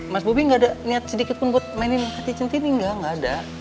mas bobby gak ada niat sedikit pun buat mainin hati centini gak gak ada